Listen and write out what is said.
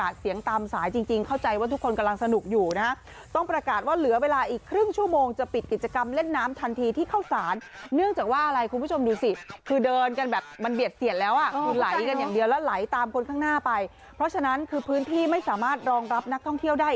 เสียงตามสายจริงเข้าใจว่าทุกคนกำลังสนุกอยู่นะต้องประกาศว่าเหลือเวลาอีกครึ่งชั่วโมงจะปิดกิจกรรมเล่นน้ำทันทีที่เข้าสานเนื่องจากว่าอะไรคุณผู้ชมดูสิคือเดินกันแบบมันเบียดเสียดแล้วอ่ะไหลกันอย่างเดียวแล้วไหลตามคนข้างหน้าไปเพราะฉะนั้นคือพื้นที่ไม่สามารถรองรับนักท่องเที่ยวได้